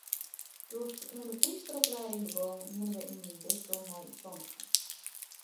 Doe't ik oan de prysteroplieding begûn, wiene we yn myn bisdom mei ús santigen.